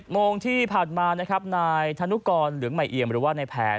โมงที่ผ่านมานะครับนายธนุกรเหลืองใหม่เอียมหรือว่าในแผน